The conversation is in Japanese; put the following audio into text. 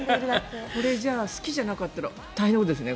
これ、好きじゃなかったら大変なことですね。